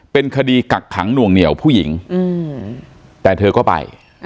เป็นคดีกักขังหน่วงเหนียวผู้หญิงแต่เธอก็ไป